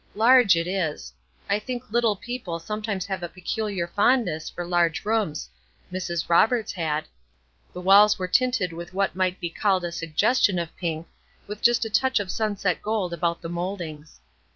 Large, it is. I think little people sometimes have a peculiar fondness for large rooms; Mrs. Roberts had. The walls were tinted with what might be called a suggestion of pink, with just a touch of sunset gold about the mouldings.